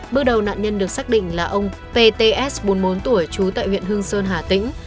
bước đầu nạn nhân được xác định là ông p t s bốn mươi bốn tuổi trú tại huyện hương sơn hà tĩnh